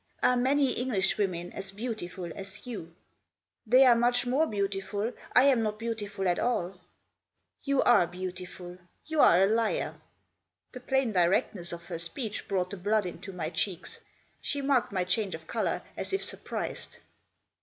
Are many Englishwomen as beautiful as you ?" "They are much more beautiful. I am not beautiful at all" " You are beautiful. You are a liar." The plain directness of her speech brought the blood into my cheeks. She marked my change of colour, as if surprised.